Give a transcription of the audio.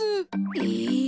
え。